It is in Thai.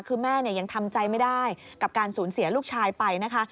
คือแม่ยังทำใจไม่ได้กับการสูญเสียลูกชายไปนะคะ